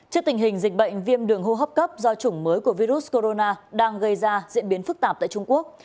trước tình hình dịch bệnh viêm đường hô hấp cấp do chủng mới của virus corona đang gây ra diễn biến phức tạp tại trung quốc